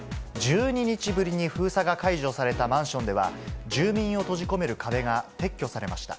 １２日ぶりに封鎖が解除されたマンションでは、住民を閉じ込める壁が撤去されました。